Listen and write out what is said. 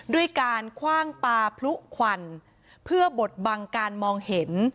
ด้วยการคว่างปลาพลุควันเพื่อบดบังการมองเห็น